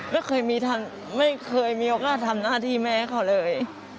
ไม่เคยมีโอกาสทำหน้าที่แม่เขาเลย